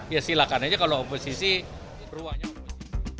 ya silakan aja kalau oposisi ruangnya